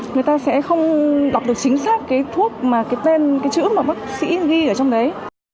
người ta sẽ không đọc được chính xác cái thuốc mà cái tên cái chữ mà bác sĩ ghi ở trong đấy